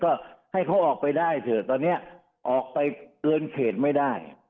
ก็ให้เขาออกไปได้เถอะตอนนี้ออกไปเกินเขตไม่ได้